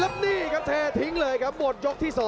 แล้วนี่ครับเททิ้งเลยครับหมดยกที่๒